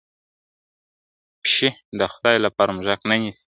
پشي د خدای لپاره موږک نه نیسي ..